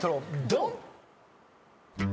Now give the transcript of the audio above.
ドン！